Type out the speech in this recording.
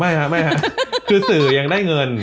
ไม่ครับคือสื่อยังได้เงิน